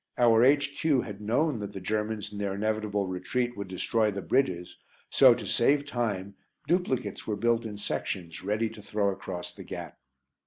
Our H.Q. had known that the Germans in their inevitable retreat would destroy the bridges, so, to save time, duplicates were built in sections, ready to throw across the gap.